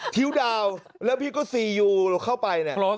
ทิ้วดาวแล้วพี่ก็ซียูเข้าไปเนี่ย